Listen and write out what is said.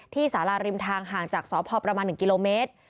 สาราริมทางห่างจากสพประมาณ๑กิโลเมตร